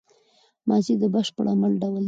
ماضي د بشپړ عمل ډول دئ.